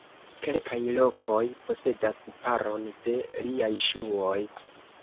Kelkaj lokoj posedas paron de liaj ŝuoj.